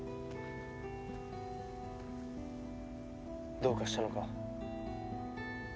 どうかしたのか？